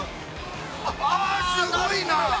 ああ、すごいな。